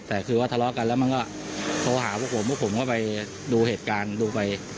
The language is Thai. แต่คือว่าทะเลาะกันแล้วมันก็โทรหาพวกผมพวกผมก็ไปดูเหตุการณ์ดูไป